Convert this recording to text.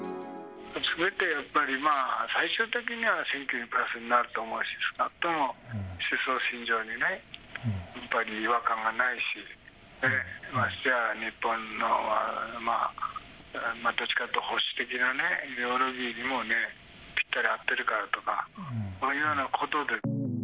すべてやっぱり最終的には選挙にプラスになると思うし、少なくとも、思想信条にやっぱり違和感がないし、ましてや日本の、どっちかっていうと保守的なイデオロギーにもぴったり合ってるからとか、そういうようなことで。